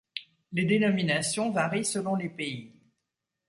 Les dénominations varient selon les pays.